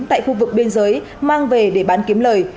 tại khu vực biên giới mang về để bán kiếm lời